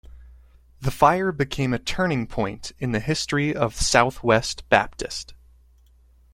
The fire became a turning point in the history of Southwest Baptist.